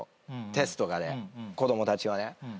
テストとかで子供たちはね。